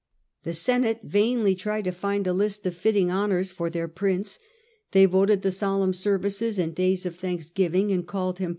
The Senate vainly tried to find a list of fitting j honours for their prince ; they voted the solemn triumph at services and days of thanksgiving, and called Rome.